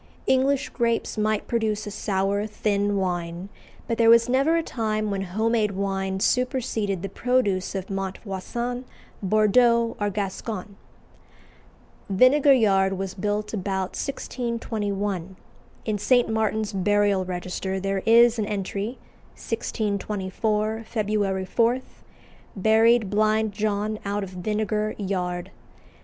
English grapes might produce a sour, thin wine, but there was never a time when home made wine superseded the produce of Montvoisin, Bordeaux, or Gascony. Vinegar Yard was built about 1621. In St Martin's Burial Register there is an entry, "1624, Feb. 4: Buried Blind John out of Vinagre Yard."